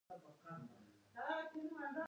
چې پر خپل برخلیک د فرد تسلط له منځه وړي.